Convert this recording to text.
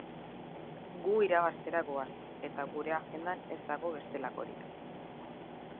Gu irabaztera goaz, eta gure agendan ez dago bestelakorik.